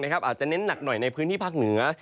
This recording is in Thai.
อาจจะเน้นหนักหน่อยในพื้นที่ภาคเหนือ